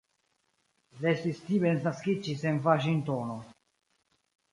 Leslie Stevens naskiĝis en Vaŝingtono.